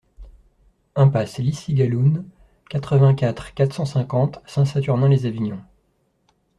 Impasse Li Cigaloun, quatre-vingt-quatre, quatre cent cinquante Saint-Saturnin-lès-Avignon